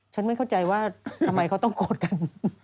ไม่เข้าใจว่าทำไมเขาต้องโกรธกัน